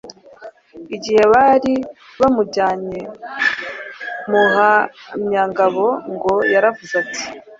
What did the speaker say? Igihe bari bamujyanye, Muhamyangabo ngo yaravuze ati: